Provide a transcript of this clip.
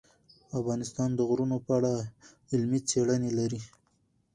افغانستان د غرونه په اړه علمي څېړنې لري.